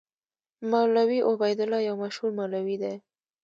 مولوي عبیدالله یو مشهور مولوي دی.